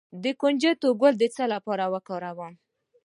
د کنجد ګل د څه لپاره وکاروم؟